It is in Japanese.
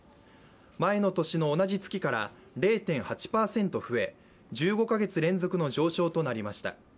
前の年の同じ月から０．８％増え１５か月連続の上昇となりました。